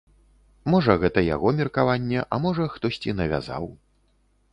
Можа, гэта яго меркаванне, а можа, хтосьці навязаў.